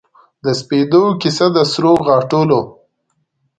سپیدو کیسه د سروغاټولو